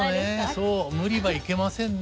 そう無理はいけませんね。